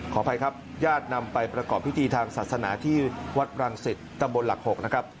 ขออภัยครับญาตินำไปประกอบพิธีทางศาสนาที่วัดรังสิตตำบลหลัก๖นะครับ